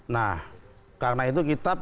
nah karena itu kita